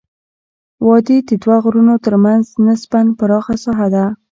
وادي د دوه غرونو ترمنځ نسبا پراخه ساحه ده.